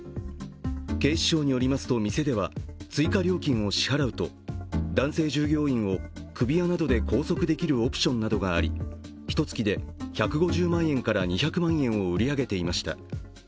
警視庁によりますと、店では追加料金を支払うと男性従業員を首輪などで拘束できるオプションなどがありひとつきで１５０万円から２００万円を売り上げていました。